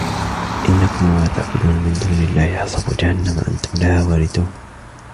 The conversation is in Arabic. إنكم وما تعبدون من دون الله حصب جهنم أنتم لها واردون